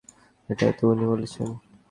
এটাই তো উনি বলছেন!